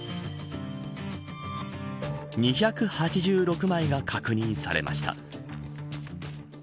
２８６枚が確認されました。